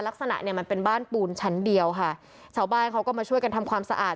ลักษณะเนี่ยมันเป็นบ้านปูนชั้นเดียวค่ะชาวบ้านเขาก็มาช่วยกันทำความสะอาด